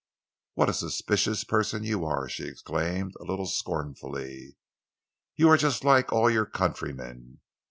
"What a suspicious person you are!" she exclaimed, a little scornfully. "You are just like all your countrymen.